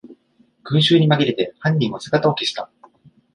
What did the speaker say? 群集にまぎれて犯人は姿を消した